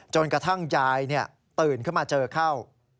จนกระทั่งยายตื่นเข้ามาเจอเข้า